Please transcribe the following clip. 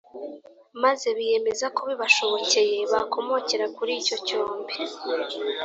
Maze biyemeza ko bibashobokeye bakomokera kuri icyo cyombe